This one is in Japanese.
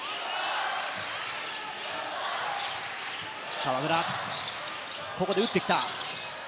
河村、ここで打ってきた！